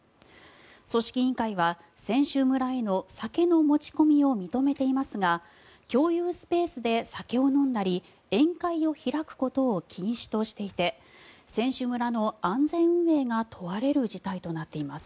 組織委員会は選手村への酒の持ち込みを認めていますが共有スペースで酒を飲んだり宴会を開くことを禁止としていて選手村の安全運営が問われる事態となっています。